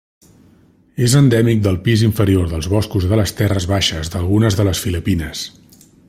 És endèmic del pis inferior dels boscos de les terres baixes d'algunes de les Filipines.